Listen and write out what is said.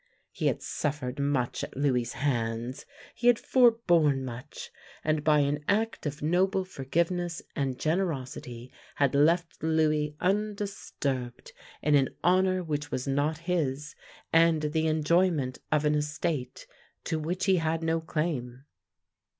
He had suffered much at Louis' hands; he had forborne much; and by an act of noble forgiveness and generosity had left Louis un disturbed in an honour which was not his and the en joyment of an estate to which he had no claim.